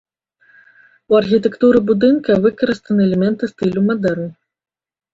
У архітэктуры будынка выкарыстаны элементы стылю мадэрн.